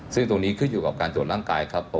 ซึ่งตรงนี้ขึ้นอยู่กับการตรวจร่างกายครับ